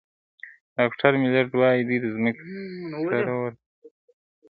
ډاکټر میلرډ وايي، دوی د ځمکې سره ورته تګلوري لري.